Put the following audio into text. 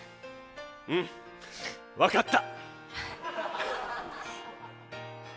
うんわかった！